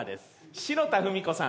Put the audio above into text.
白田文子さん。